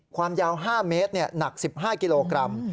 ความยาว๕เมตรหนัก๑๕กิโลกรัม